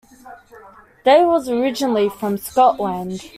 Dave was originally from Scotland.